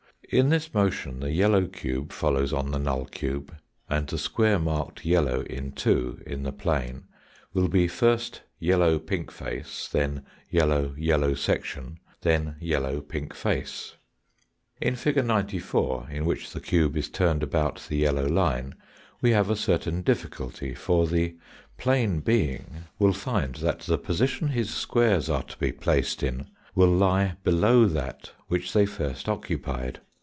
In this motion the yellow cube follows on the null cube, and the square marked yellow in 2 in the plane will be first " yellow pink face," then " yellow yellow section," then " yellow pink face." In fig. 94, in which the cube is turned about the yellow line, we have a certain difficulty, for the plane being will NOMENCLATURE AND ANALOGIES 155 find that the position his squares are to be placed in will lie below that which they first occupied.